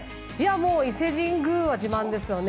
伊勢神宮は自慢ですよね。